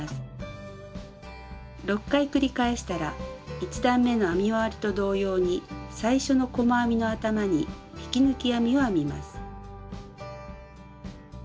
６回繰り返したら１段めの編み終わりと同様に最初の細編みの頭に引き抜き編みを編みます。